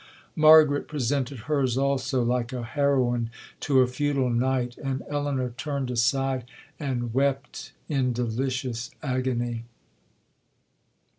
Margaret presented hers also, like a heroine to a feudal knight; and Elinor turned aside, and wept in delicious agony.